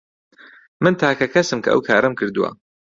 من تاکە کەسم کە ئەو کارەم کردووە.